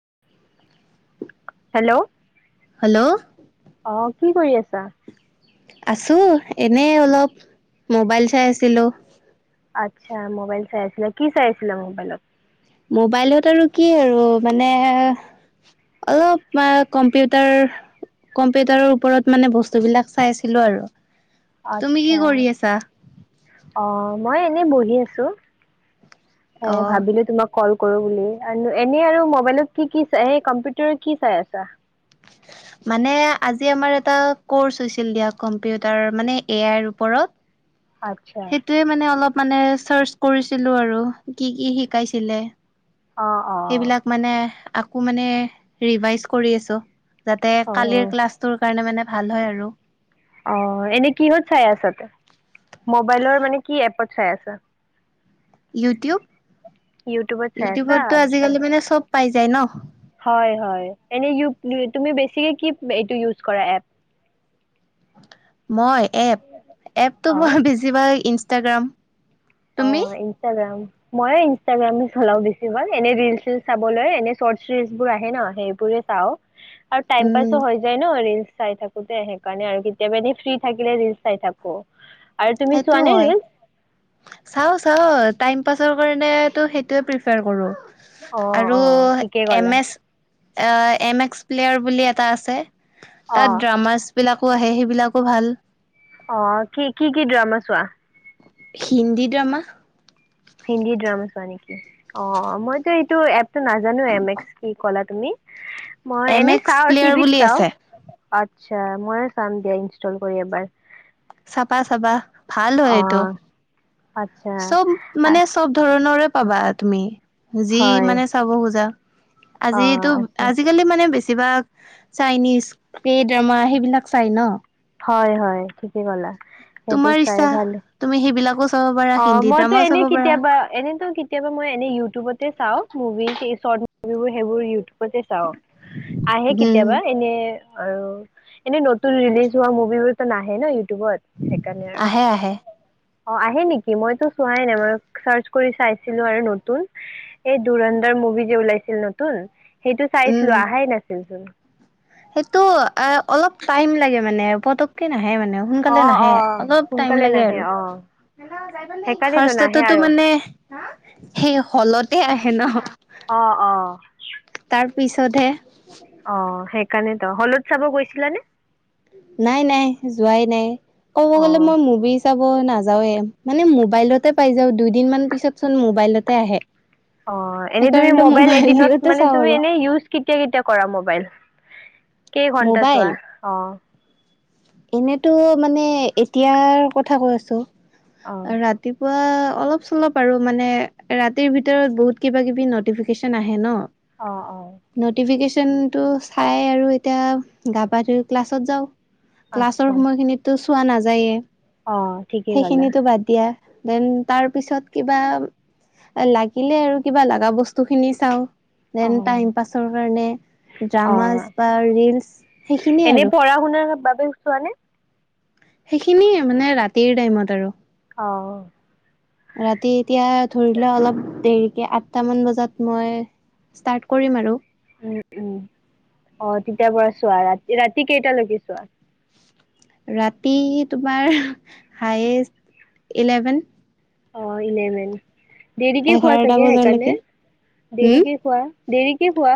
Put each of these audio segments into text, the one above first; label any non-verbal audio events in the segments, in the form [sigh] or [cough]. [unintelligible] Hello? Hello অহ কি কৰি আছা? আছো। এনে অলপ মোবাইল চাই আছিলো। আচ্ছা। মোবাইল চাই আছিলা, কি চাইছিলো মোবাইলত? মোবাইলত আৰু কি আৰু মানে অলপ কম্পিউটাৰ-কম্পিউটাৰৰ ওপৰত মানে বস্তু বিিলাক চাইছিলো আৰু। তুমি কি অট্চা, কৰি আছা অহ। মই এনেই বহি আছো। হে অ ভাবিলো তোমাক কল কৰো বুলি এনে আৰু মবাইলত কি-কি চ এই কম্পিউটাৰত কি চাই আছা? মানে আজি আমাৰ এটা কৰ্চ হৈছিল দিয়া কম্পিউটাৰ মানে এ আইৰ ওপৰত। আচ্ছা সেইটোয়ে মানে অলপ মানে চাৰ্চ কৰিছিলো আৰু, কি-কি শিকাইছিলে? অ অ সেইবিলাক মানে আকৌ মানে ৰিভাইজ কৰি আছো। যাতে অ কালিৰ ক্লাছটোৰ কাৰণে মানে ভাল হয় আৰু। অহ, এনেই কিহত চাই আছা, মোবাইলৰ মানে কি এপত চাই আছা? ইউটউব। ইউটিউবত চাই আছা ইউটিউবতটো আজিকালি মানে চব পাই যায় ন? হয়-হয়। এনে ইয়োব তুমি বেছিকে কি এটো ইউজ কৰা এপ? মই? এপ? এপটো মই বেছিভাগ ইন ইনষ্টাগ্ৰাম। তুমি অহ, ইনষ্টাগ্ৰাম। ময়ে ইনষ্টাগ্ৰামে চলাও বেছি ভাগ। এনে ৰিল-চিল চাবলৈ এনে চৰ্ ৰিলছ আহে ন? সেইবোৰে চাওঁ। আৰু টাইম উম পাচু হৈ যায় ন? ৰিলচ চাই থাকো দে সেইকাৰণে আৰু কেতিয়াবা দি ফ্ৰী থাকিলে ৰিল চাই থাকো আৰু তুমি সেইটো চোৱা নে হয় ৰীলচ? চাও চাও টাইম পাছৰ কাৰণে তো সেইটোৱে প্ৰিফাৰ কৰো। অ অ আৰু ঠিকে ক'লা এম এছ অ এম এক্স প্লেয়াৰ বুলি এটা আছে, অ তাত ড্ৰামাছ বিলাক আহে সেইবিলাকো ভাল অ কি কি কি ড্ৰামা চোৱা? হিন্দী ড্ৰামা হিন্দী ড্ৰামা চোৱা নেকি অ মইতো এইটো নাজানো এম এক্স কি কলা, তুমি? মই এম এনেই এক্স চাওঁ প্লেয়াৰ বুলি টিভিত চাওঁ আছে আচ্ছা মইও চাম দিয়া ইনষ্টল কৰি এবাৰ চাবা চাবা ভাল হয় এইটো অ আচ্ছা চব মানে আহ চব ধৰণৰে পাবা তুমি যি হয় মানে চাব খোজা অ আজিতো আচ্ছা আজিকালি মানে বেছি কিবা চাইনিজ কে ড্ৰামা সেইবিলাক চাই ন, হয় হয় ঠিকে কলা সেইবোৰ তোমাৰ চাই ইচ্ছা ভালে তুমি সেইবিলাকো চাব পাৰা অ হিন্দী মইতো ড্ৰামাও এনে চাব পাৰা কেতিয়াবা এনেতো কেতিয়াবা মই এনে ইউটিউবতে চাও মুভিজ সিই চত মুভিবোৰ সেইবোৰে ইউটিউবত যে চাও আহে উম কেতিয়াবা এনে আৰু এনেই নতুন ৰিলিজ হোৱা মুভিবোৰতো নাহে ন ইউটিউবত সেইকাৰণে আৰু আহে আহে অ আহে নেকি? মইতো চোৱাই নাই মই চাৰ্চ কৰি চাইছিলো আৰু নতুন এই দুৰন্দাৰ মুভি যে ওলাইছিল নতুন সেইটো উম চাইছিলোঁ অহাই নাছিলচোন, সেইটো এ অলপ টাইম লাগে মানে পতককে আহে মানে সোনকালে অ অ নাহে অলপ টাইম সোনকালে লাগে নাহে আৰু অ সেইকাৰণেতো নাহে ফাৰ্ষ্টটো আৰু মানে সেই হলতে আহে। সেনহ অহ অহ তাৰপিছতহে অ সেই। কালি তো হলত চাব গৈছিলা নে। নাই নাই যোৱাই নাই ক'ব গলে অ', মই মুভি চাব না। মানে মোবাইলতে পাই যাও দুইদিন ম পিছত চোন মোবাইলতে আহে? অঁ এনে তুমি সেইকাৰণেতো মবাইলত এদিনত মোবাইলতে মানে চাওঁ তুমি আৰু এনেজ। কেতিয়া কেতিয়া কৰা মোবাইল। কেই ঘন্টা মোবাইল চোৱা অঁ। এনেতো মানে এতিয়াৰ কথা কৈ আছো? অ'। ৰাতি পোৱা অলপ চলপ আৰু মানে ৰাতিৰ ভিতৰত বহুত কিবা কিবি নটিফিকেশচন আহে ন। অঁ অঁ টো চাই আৰু এতিয়া গা পা ধোই ক্লাছত যাওঁ। ক্লাছৰ আচ্ছা সময়খিনিতটো? পোৱা নাযায়ে। অ', ঠিকেই ক'লা সেইখিনিতো বাদ দিয়া। দেন তাৰ পিছত কিবা লাগিলে আৰু কিবা লগা বস্তু খিনি চাওঁ। দেন টাইম অ'। পাছৰ কাৰণে অ', ড্ৰামাজ ৰীলচ সেইখিনিয়ে আৰু। চোৱা নে। সেইখিনি মানে ৰাতিৰ টাইমত আৰু। অঁ ৰাতি এতিয়া ধৰিলে অলপ দেৰিকে আঠটামান বজাত মই ষ্টাৰ্ট কৰিম আৰু। উম উম অঁ তেতিয়াৰ পৰা চোৱা ৰাতি ৰাতি কেইটালৈকে চোৱা। ৰাতি তোমাৰ হায়েষ্ট ইলেভেন। অঁ ইলেভে দেৰিকে হোৱা এঘাৰটা চাগে সেইকাৰণে বজালৈকে হম দেৰিকে হোৱা দেৰিকে হোৱা।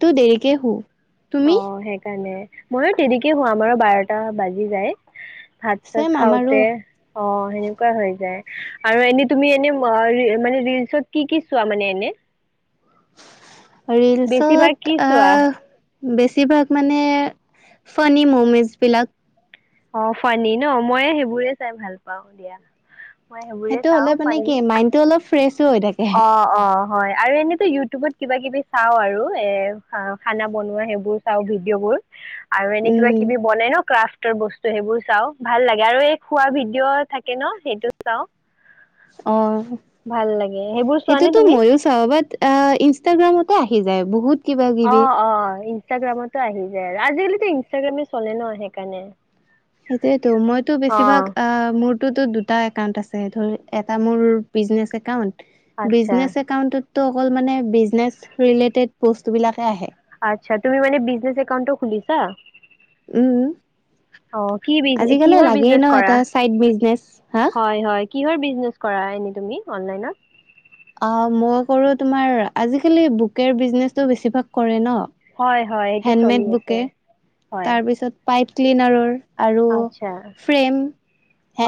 তটো দেৰিকৈ হোও। অ অঁ সেইকাৰণে? ময়ো তেনেকে হোৱাম আৰু বাৰটা বাজি যায়? ভাত চ ছেম আমাৰো খাওঁতে? অঁ সেনেকুৱা হৈ যায় আৰু এনে তুমি এনে মানে ৰিলচত কি কি চোৱা মানে এনে। বেছিভাগ কি ৰিলচত চোৱা আহ। বেছিভাগ মানে ফানি মুমেন্টচ বিলাক। অঁ ফানী ন মই সেইবোৰে চাই ভাল পাও দিয়া। মই সেইবোৰে সেইটো হ'লে চাওঁ মানে ফানী কি মাইডটো অলপ ফ্ৰেচো হৈ থাকে। অ অ হয় আৰু এনেতো ইউটিউবত কিবা কিবি চাও আৰু এ খানা বনোৱা সেইবোৰ চাওঁ ভিডিঅ' বোৰ। আৰু এনে কিবা কিবি উম ব ন ক্ৰা। বস্তু সেইবোৰ চাওঁ, ভাল লাগে আৰু এই খোৱা ভিডিঅ' থাকে ন সেইটো চাওঁ। অ ভাল লাগে সেইবোৰ চোৱা নে সেইটোতো তুমি? মইও চাওঁ, বাট আহ ইনষ্টাগ্ৰামত আহি যায় বহুত কিবা অ কিবি। অ ইনষ্টাগ্ৰামতো আহি যায়। আৰু আজিকালি ইনষ্টাগ্ৰামে চলে ন সেইকাৰণে। সেইটোয়েতো মইতো অ বেছিভাগ আহ মোৰততো দু দুটা একাউট আছে। ধৰ এটা মোৰ বিজনেচ একাউণ্ট আচ্ছা বিজনে একাউটত তো অকল মানে বিজনেচ ৰিলেটেড বস্তুবিলাকহে আহে। আচ্ছা তুমি মানে বিজনেছ একাউণ্টো খুলিছা? উম। অ কি বিজ আজিকালি কিহৰ লাগেই বিজনেছ ন কৰা? এটা চাই বিজনেচ। হা? হয় হয় কিহৰ বিজনেছ কৰা এনে তুমি অনলাইনত? অ মই কৰো তোমাৰ আজিকালি বুকে বিজনেচটো বেছিভাগ কৰে ন? হয় হয় এইটো চলি হেণ্ডমেড আছে। বুকে হয় তাৰপিছত পাইপ ক্লিনাৰৰ আৰু আচ্ছা ফ্ৰেম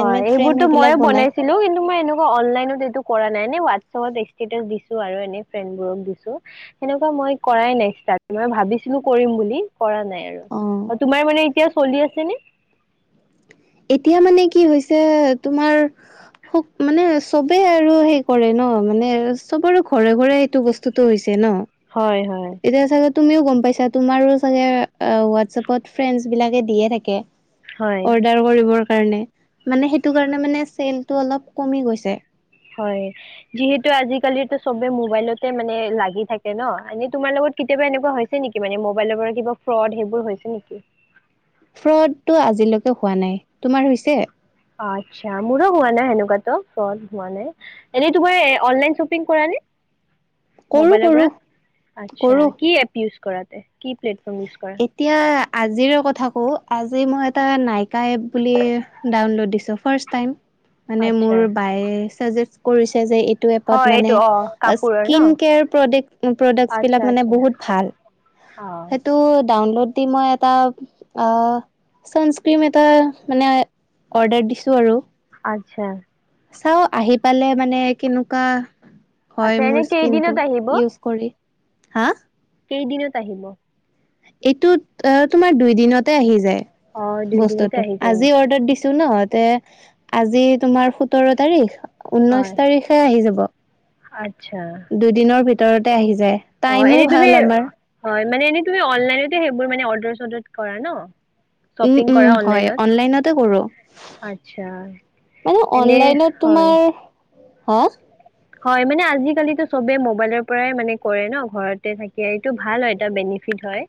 হয় ফ্ৰেম এইবোৰতো সেইবিলাক মইে বনাই বনাইছিলো। কিন্তু মই এনেকুৱা অনলাইনত এইটো কৰা নাই ন চবত ইচ্টেটাছ দিছো আৰু এনে ফ্ৰেডবোৰক দিছো। সেনেকুৱা মই কৰাই নাই মই ভাবিছিলো কৰিম বুলি। কৰা নাই আৰু। অ তোমাৰ মানে, এতিয়া চলি আছেনে? এতিয়া মানে কি হৈছে, তোমাৰ মানে চবেই আৰু সেই কৰে ন, মানে চব আৰু ঘৰে ঘৰে সেইটো বস্তুতটো হৈছে ন। হয় হয় এতিয়া চাগে তুমিও গম পাইছা তুমাৰো চাগে হোৱাটছএপত ফ্ৰেণ্ড বিলাকে দিয়ে থাকে। হয় অৰ্ডাৰ কৰিবৰ কাৰনে, মানে সেইটো কাৰণে মানে চেলটো অলপ কমি গৈছে। হয় যিহেতু আজিকালিটো চবে মোবাইলতে মানে লাগি থাকে ন। এনে তোমাৰ লগত কেতিয়াবা এনেকুৱা হৈছে নেকি মানে মোবাইলৰ পৰা কিবা ফ্ৰড সেইবোৰ হৈছে নেকি? ফ্ৰডটো আজিলৈকে হোৱা নাই। তোমাৰ হৈছে? আচ্ছা মোৰো হোৱা নাই সেনুকাটো। ফ্ৰড হোৱা নাই। এনেই তোমাৰ অনলাইন চপিং কাৰনে? কৰো মবাইলৰ কৰো পৰা। আচ্ছা কৰো কি এপ কৰাতে কি প্লেটফৰ্ম ইউজ কৰা এতিয়া আজিৰে কথা কওঁ। আজি মই এটা নাইকা এপ ডাউনলোদ দিছো, ফাৰ্চটাইম। মানে আচ্ছা মোৰ বায়েচ কৰি যে এইটো হয় এপত এইটো মানে অ কাপোৰৰ ন স্কৃণ কেয়াৰ প্ৰডাক্ট আচ্ছা বিলাক আচ্ছা বহুত ভাল। অ সেইটো ডাউনলোড দি মই এটা অ ছানস্ক্ৰীম এটা মানে অৰ্ডাৰ দিছোঁ আৰু আচ্ছা চাও আহি পালে মানে কেনুকা হয় আচ্ছা এনে মোৰ স্কিন টো কেইদিনত আহিব ইউজ কৰি হা কেইদিনত আহিব এইটোত এ তোমাৰ দুই দিনতে আহি যায় অ দুইদিনতে বস্তুটো আহি যায় আজি নেকি অৰ্ডাৰ দিছো ন তে আজি তোমাৰ সোতৰ তাৰিখ ঊনৈশ তাৰিখে আহি যাব আচ্ চ্ছা দুদিনৰ ভিতৰতে আহি যায় অ টাইমো এনে তুমি ভাল আমাৰ হয় মানে এনে তুমি অনলাইনতে সেইবোৰ মান অৰ্ড দুই চদিত কৰে ন উম শ্বপিং উম কৰা হয় অনলাইনত অনলাইনতে কৰো আচ্ছা মানে এনে অনলাইনত হয় তোমাৰ হা হয় মানে আজিকালিতো চবে মবাইলৰ পৰাই মানে কৰে ন ঘৰতে থাকে এইটো ভাল হয় এ বেনিফিট হয়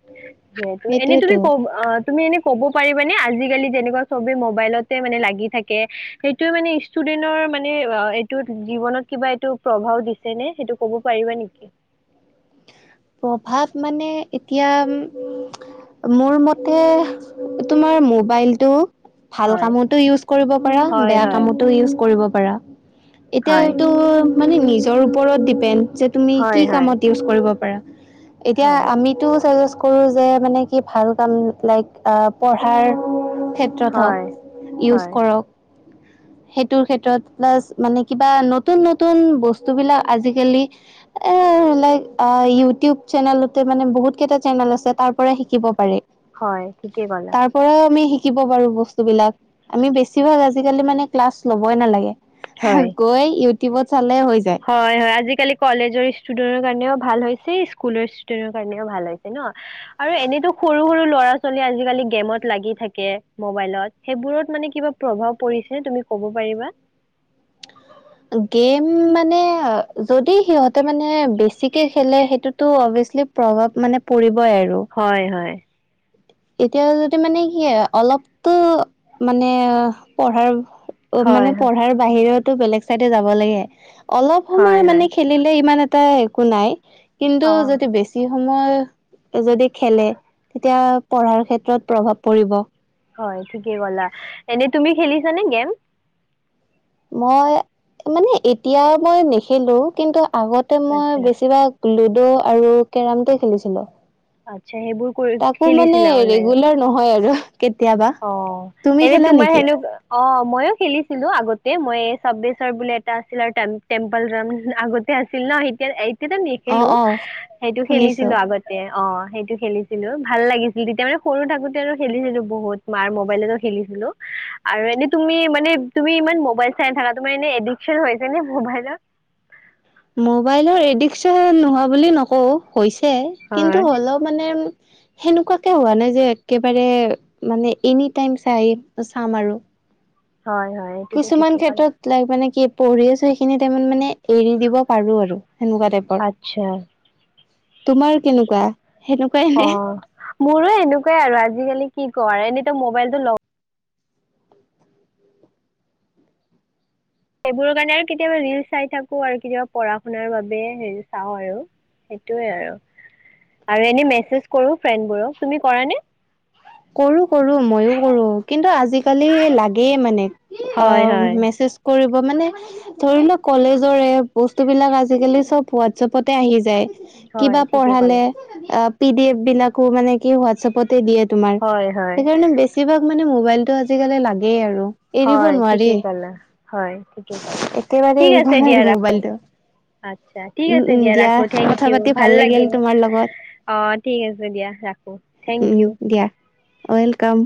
যিহেতু এনেই তুমি সেইটোয়েতো কব অ তুমি এনে ক'ব পাৰিবানে আজিকালি যেনেকুৱা চবে মবাইলতে মানে লাগি থাকে সেইটোয়ে মানে ষ্টুডেন্টৰ মানে এইটো জীৱনত কিবা এইটো প্ৰভাৱ দিছে নে সেইটো কব পাৰিবা নিকি প্ৰভাৱ মানে এতিয়া মোৰ মতে তোমাৰ মোবাইলটো ভাল হয় কামতো ইউজ কৰিব পাৰা হয় বেয়া হয় কামতো ইউজ কৰিব পাৰা হয় এতিয়াটো মানে নিজৰ ওপৰত ডিপেণ্ড যে তুমি হয় কি হয় কামত ইউজ কৰিব পাৰা এতিয়া হয় আমিতো চাই আ কৰোঁ যে মানে কি ভাল কাম লাইক পঢ়াৰ ক্ষেত্ৰত হওক হয় ইউজ হয় কৰক সেইটোৰ ক্ষেত্ৰত প্লাছ মানে কিবা নতুন নতুন বস্তু বিলাক আজিকালি এ লাইক আ ইউটো টোব চেনেলতে মানে বহুতকেইটা চেনেল আছে তাৰ পৰা শিকিব পাৰি হয় ঠিকেই ক'লা তাৰ পৰাও আমি শিক শিকিব পাৰো বস্তু বিলাক আমি বেছিভাগ আজিকালি মানে ক্লাছ ল'বই নালাগে হে হয় গৈ ইত টোবত হয় হয়। আজিকালি কলেজৰ ষ্টুডেন্টৰ কাৰণেও ভাল হৈছে স্কুলৰ ষ্টুডেন্টৰ কাৰণও ভাল হৈছে ন' আৰু এনেতো সৰু সৰু ল'ৰা ছোৱালী আজিকালি গেমত লাগি থাকে মবাইলত সেইবোৰত মানে কিবা প্ৰভাৱ পৰিছে তুমি ক'ব পাৰিবা? গেম মানে যদি সিহতে মানে বেছিকে খেলে সেইটোতো অভিয়াচলি প্ৰভাৱ মানে পৰি হয় হয়। এতিয়া যদি মানে কি আৰু অলপটো মানে পঢ়াৰ অঁ মানে হয় হয় পঢ়াৰ বাহিৰত টো বেলেগ চাইডে যাব লাগে। অলপ সময় হয় মানে হয় খেলিলে ইমান এ টা একো নাই। কিন্তু অ যদি বেছি সময় যদি খেলে তিয়া পঢ়াৰ ক্ষেত্ৰত প্ৰভাৱ পৰিব। হয় ঠিকে ক'লা এনে তুমি খেলিছানে গেম? মই মানে এতিয়া মই নেখেলো কিন্তু আগতে মই আচ্ছা বেছিভাগ লুডো আৰু কেৰামটোৱে খেলিছিলোঁ। আচ্ছা সেইবোৰ কৰি তাকো মানে ৰেগুলাৰ নহয় আৰু। কেতিয়াবা অঁ তুমি এনে খেলা তোমাৰ নেকি সেনে, অঁ মইও খেলিছিলো আগতে মই চাব্বেশ্বৰ বুলি এটা আছিল আৰু টেম - টেম্পল আগতে আছিল ন' এতিয়া এই এতিয়া অ নেখেলো অ সেইটো শুনিছো খেলিছিলোঁ আগতে। অঁ সেইটো খেলিছিলো ভাল লাগিছিল তেতিয়া মানে সৰু থাকোতে আৰু খেলিছিলো বহুত। মাৰ মবাইলতো খেলিছিলো আৰু এনে তুমি মানে তুমি ইমান মবাইল চাই থাকা তোমাৰ এনে এডিকচন হৈছে ন মবাইলত? মোবাইলৰ এডিকচন নোহোৱা বুলি নকওঁ। হৈছে কিন্তু হয় হ'লেও মানে সেনেকুৱাকে হোৱা নাই যে একেবাৰে মানে এনি টাইম চাই - চাম আৰু। হয় হয় এইটোতো কিছুমান ঠিকেই ক'লে ক্ষেত্ৰত লাইক মানে কি পঢ়ি আছো সেইখিনি টাইমত মানে এৰি দিব পাৰোঁ আৰু। সেনেকুৱা টাইপৰ আচ্ছা। তোমাৰ কেনেকুৱা? সেনেকুৱাই নে? অঁ মোৰো এনেকুৱাই আৰু আজিকালি কি কওঁ আৰু এনে [unintelligible] মোবাইলটো লও সেইবোৰৰ কাৰণে আৰু কেতিয়াবা ৰীলচ চাই থাকোঁ আৰু কেতিয়াবা পঢ়া শুনাৰ বাবে হেৰি চাওঁ আৰু সেইটোৱে আৰু। আৰু এনে মেছেজ কৰোঁ ফ্ৰেণ্ডবোৰক তুমি কৰা নে? কৰো কৰো মইও কৰো, কিন্তু আজিকালি লাগেয়ে মানে। হয় অঁ হয়। মেছেজ কৰিব ব মানে ধৰি ল কলেজৰে বস্তু বিলাক আজিকালি চব হোৱাটছএপতে আহি যায়। হয় কিবা ঠিকে ক'লে। পঢ়ালে, অ পি ডি এফ বিলাকো মানে কি হোৱাটছএপতে দিয়ে তোমাৰ। হয় হয় সেইকাৰণে বেছিভাগ মানে মোবাইলতটো আজিকালি লাগেই আৰু এৰিব হয় নোৱাৰি। ঠিকে কলে হয় ঠিকে কলে একেবাৰে থিক এৰিব আছে নোৱাৰি দিয়া ৰাখো মোবাইলটো। আচ্ছা থিক উম আছে উম দিয়া ৰাখো কথা থেংকিউ পাতি ভাল লাগিল তোমাৰ লগত অ থিক আছে দিয়া ৰাখো থেংকিউ ওৱেলকাম